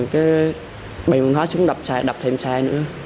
rồi bệnh vận thoát xuống đập xe đập thêm xe nữa